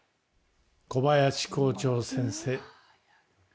小林校長先生。